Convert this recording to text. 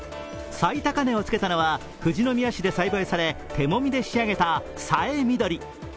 最高値をつけたのは富士宮市で栽培され手もみで仕上げた、さえみどり。